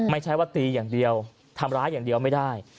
ไม่ใช่ว่าตีอย่างเดียวทำร้ายอย่างเดียวไม่ได้